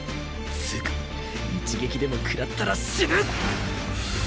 つぅか一撃でもくらったら死ぬ。